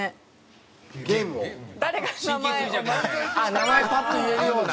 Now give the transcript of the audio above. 名前パッと言えるような？